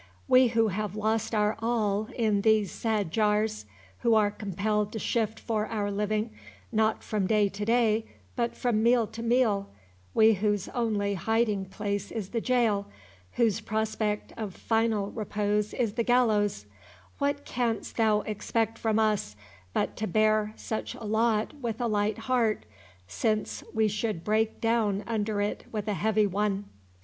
We who have lost our all in these sad jars, who are compelled to shift for our living, not from day to day, but from meal to meal—we whose only hiding place is the jail, whose prospect of final repose is the gallows,—what canst thou expect from us, but to bear such a lot with a light heart, since we should break down under it with a heavy one?"